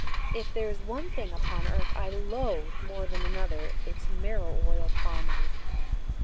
If there's one thing upon earth I loathe more than another, it's marrow oil pomade!"